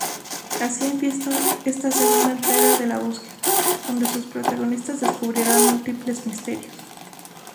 Así comienza esta segunda entrega de la búsqueda, donde sus protagonistas descubrirán múltiples misterios.